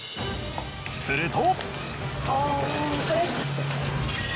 すると。